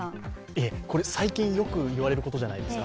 これ、最近よく言われることじゃないですか。